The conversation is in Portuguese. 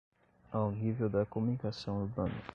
Ao nível da comunicação urbana